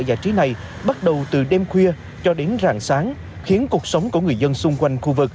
giải trí này bắt đầu từ đêm khuya cho đến rạng sáng khiến cuộc sống của người dân xung quanh khu vực